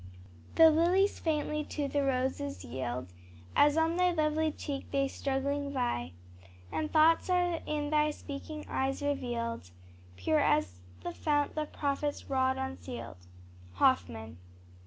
"The lilies faintly to the roses yield, As on thy lovely cheek they struggling vie, And thoughts are in thy speaking eyes revealed, Pure as the fount the prophet's rod unseal'd." HOFFMAN.